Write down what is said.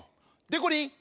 でこりん！